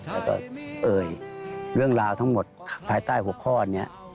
แล้วก็เอ่ยเรื่องราวทั้งหมดภายใต้หัวข้อนี้